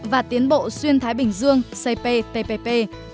và tiến bộ xuyên thái bình dương cptpp